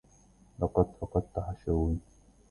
لقد فقدت حشوي.